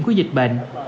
của dịch bệnh